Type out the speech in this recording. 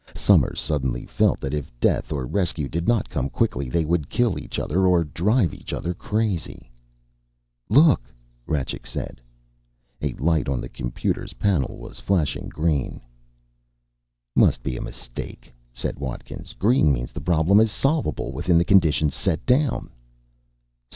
Somers suddenly felt that if death or rescue did not come quickly, they would kill each other, or drive each other crazy. "Look!" Rajcik said. A light on the computer's panel was flashing green. "Must be a mistake," said Watkins. "Green means the problem is solvable within the conditions set down."